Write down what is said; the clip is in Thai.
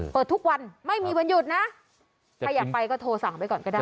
เปิดทุกวันไม่มีวันหยุดนะถ้าอยากไปก็โทรสั่งไปก่อนก็ได้